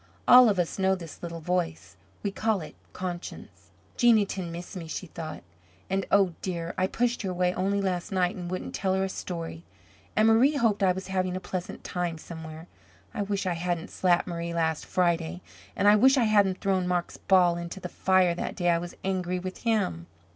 All of us know this little voice. We call it conscience. "Jeanneton missed me," she thought. "And, oh, dear! I pushed her away only last night and wouldn't tell her a story. And Marie hoped I was having a pleasant time somewhere. I wish I hadn't slapped Marie last Friday. And I wish I hadn't thrown Marc's ball into the fire that day I was angry with him.